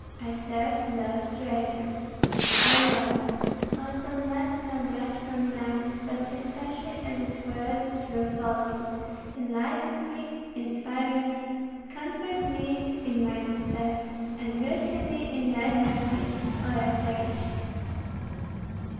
I served those traitors, O Lord, also not so much from malice, but especially as it were through folly; enlighten me, inspire me, comfort me in my despair, and rescue me in thy mercy, or I perish."